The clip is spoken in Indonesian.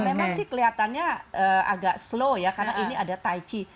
memang sih kelihatannya agak slow ya karena ini ada taichi